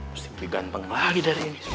mesti lebih ganteng lagi dari ini